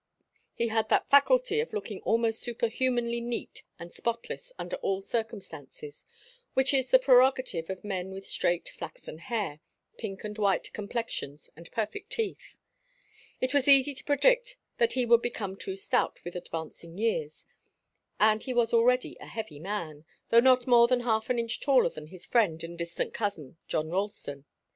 He had that faculty of looking almost superhumanly neat and spotless under all circumstances, which is the prerogative of men with straight, flaxen hair, pink and white complexions, and perfect teeth. It was easy to predict that he would become too stout with advancing years, and he was already a heavy man, though not more than half an inch taller than his friend and distant cousin, John Ralston.